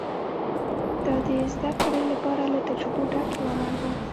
دا د زدهکړې لپاره له تجربو ډک یو عمل و